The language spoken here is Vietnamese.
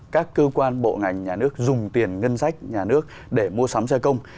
các cơ quan bộ ngành nhà nước dùng tiền ngân sách nhà nước để mua sắm xe công